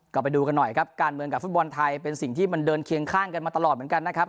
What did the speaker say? ก็ไปดูกันหน่อยครับการเมืองกับฟุตบอลไทยเป็นสิ่งที่มันเดินเคียงข้างกันมาตลอดเหมือนกันนะครับ